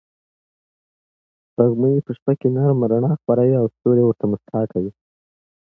سپوږمۍ په شپه کې نرم رڼا خپروي او ستوري ورته موسکا کوي.